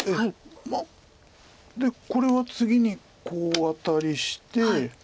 まあでこれは次にこうアタリして。